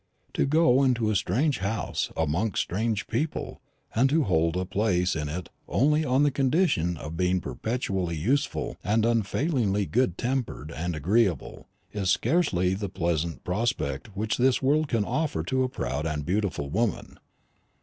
To go into a strange house amongst strange people, and to hold a place in it only on the condition of being perpetually useful and unfailingly good tempered and agreeable, is scarcely the pleasantest prospect which this world can offer to a proud and beautiful woman.